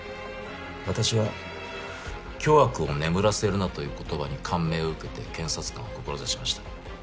私は「巨悪を眠らせるな」という言葉に感銘を受けて検察官を志しました。